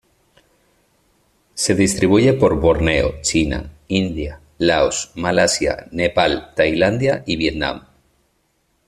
Se distribuye por Borneo, China, India, Laos, Malasia, Nepal, Tailandia y Vietnam.